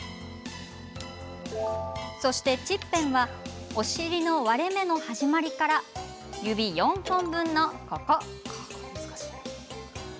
そして、秩辺はお尻の割れ目の始まりから指４本分の、ここ。